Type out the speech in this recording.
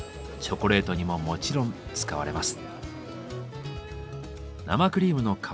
チョコレートにももちろん使われます。